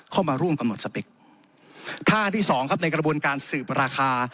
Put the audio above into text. เข้ามาร่วมกำหนดสเปคท่าที่สองครับในกระบวนการสืบราคา